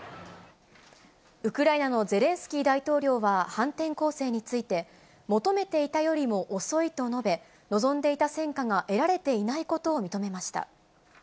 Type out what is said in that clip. ウクライナのゼレンスキー大統領は反転攻勢について、求めていたよりも遅いと述べ、望んでいた戦果が得られていないことを認めました。